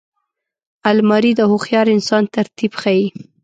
الماري د هوښیار انسان ترتیب ښيي